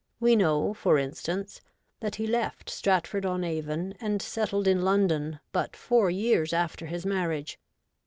We know, for instance, that he left Stratford on Avon and settled in London but four years after his marriage.